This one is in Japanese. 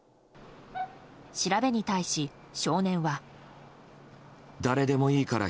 調べに対し、少年は。